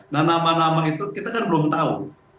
nah nama nama itu kita kan belum tahu